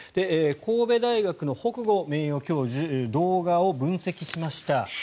神戸大学の北後名誉教授動画を分析しました。